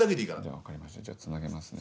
じゃあつなげますね。